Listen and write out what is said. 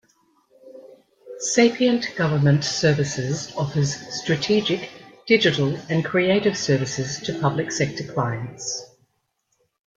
Sapient Government Services offers strategic, digital, and creative services to public sector clients.